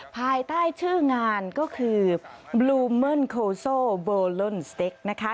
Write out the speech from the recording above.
ภายใต้ชื่องานก็คือบลูเมิลโคโซโบลอนสเต็กนะคะ